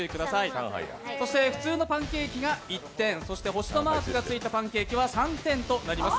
そして、普通のパンケーキが１点★のマークがついたパンケーキは３点となります。